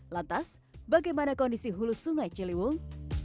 lantas bagaimana kondisi hulu sungai ciliwung